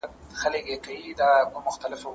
د ساینسپوه په څېر خبري کوه.